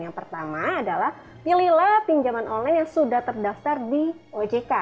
yang pertama adalah pilihlah pinjaman online yang sudah terdaftar di ojk